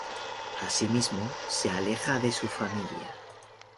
Asimismo se aleja de su familia.